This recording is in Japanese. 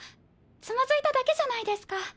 つまずいただけじゃないですか。